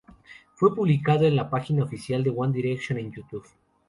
Fue publicado en la página oficial de One Direction en Youtube.